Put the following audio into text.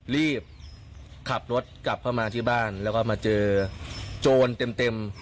รีบขับรถกลับเข้ามาที่บ้านแล้วก็มาเจอโจรเต็ม